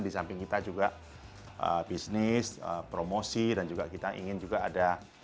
di samping kita juga bisnis promosi dan juga kita ingin juga ada